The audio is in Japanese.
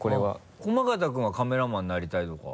駒形君はカメラマンになりたいとかは？